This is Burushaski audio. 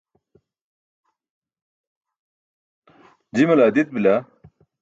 Jimale adit bila.